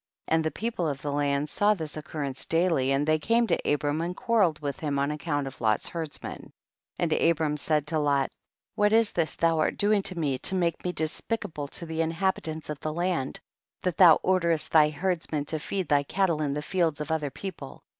38. And the people of the land saw this occurrence daily, and they came to Abram and quarrelled with him on account of Lot's herdsmen. 39. And Abram said to Lot, what 44 THE BOOK OF JASHER. is this thou art doing to me, to make me despicable to the inhabitants of the land, that thou orderest thy herds men to feed thy cattle in the fields of other people